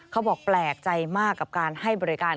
เขาบอกแปลกใจมากกับการให้บริการ